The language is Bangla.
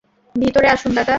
ভিতরে আসুন, দাদা।